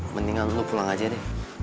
mendingan dulu pulang aja deh